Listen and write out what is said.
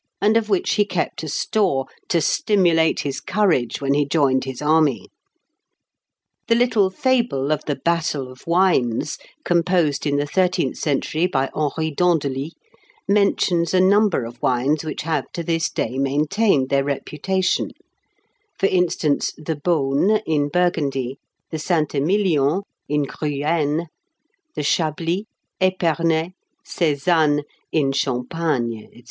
and of which he kept a store, to stimulate his courage when he joined his army. The little fable of the Battle of Wines, composed in the thirteenth century by Henri d'Andelys, mentions a number of wines which have to this day maintained their reputation: for instance, the Beaune, in Burgundy; the Saint Emilion, in Gruyenne; the Chablis, Epernay, Sézanne, in Champagne, &c.